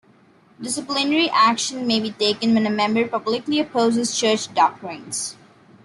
Disciplinary action may be taken when a member publicly opposes church doctrines.